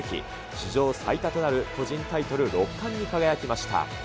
史上最多となる個人タイトル６冠に輝きました。